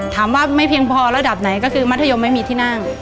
ถามว่าไม่เพียงพอระดับไหนก็คือมัธยมไม่มีที่นั่ง